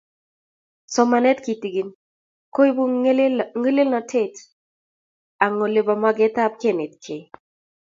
Somanetab kitigin koibu ngelelnotet ang Olebo magetab kenetkei